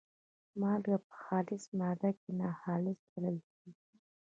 مالګه په خالصه ماده کې ناخالصه بلل کیږي.